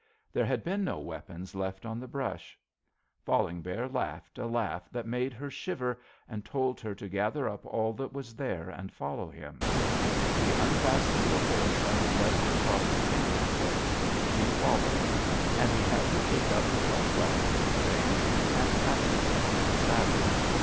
There had been no weapons left on the brush. Falling Bear laughed a laugh that made her shiver, and told her to gather up all that was there and follow him. He unfastened the horse and led it across the camping place, she following, and he had her take up his own weapons and things and fasten them to the saddle.